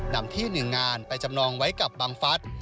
นำที่๑งานไปจำนองไว้กับบังฟัส